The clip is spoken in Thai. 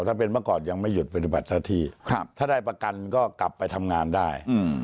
ถ้าเป็นเมื่อก่อนยังไม่หยุดปฏิบัติหน้าที่ถ้าได้ประกันก็กลับไปทำงานได้